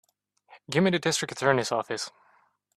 Give me the District Attorney's office.